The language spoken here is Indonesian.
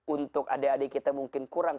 untuk adik adik kita mungkin kurang